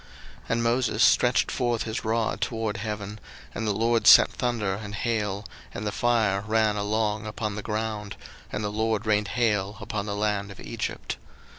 02:009:023 And Moses stretched forth his rod toward heaven: and the LORD sent thunder and hail, and the fire ran along upon the ground; and the LORD rained hail upon the land of Egypt.